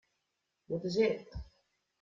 What is it?